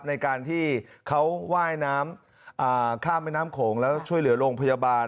ในการที่เขาว่ายน้ำข้ามแม่น้ำโขงแล้วช่วยเหลือโรงพยาบาล